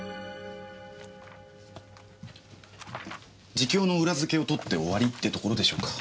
自供の裏付けを取って終わりってところでしょうか。